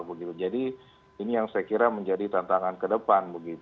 jadi ini yang saya kira menjadi tantangan kedepan